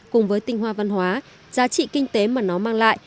cùng với tinh hoa văn hóa giá trị kinh tế mà nó mang lại